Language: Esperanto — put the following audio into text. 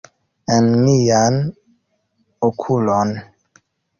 En mian okulon!